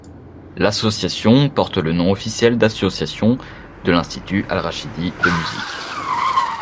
L'association porte le nom officiel d'Association de l'Institut Al-Rachidi de musique.